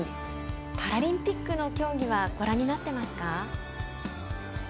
パラリンピックの競技はご覧になってますか？